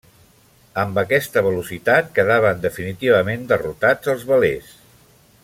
Amb aquesta velocitat quedaven definitivament derrotats els velers.